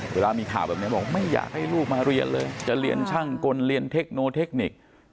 เวลามีข่าวแบบนี้บอกไม่อยากให้ลูกมาเรียนเลยจะเรียนช่างกลเรียนเทคโนเทคนิค